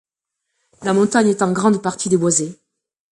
La montagne est en grande partie déboisée.